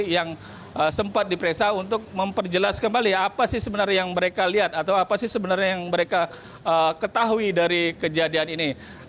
yang sempat diperiksa untuk memperjelas kembali apa sih sebenarnya yang mereka lihat atau apa sih sebenarnya yang mereka ketahui dari kejadian ini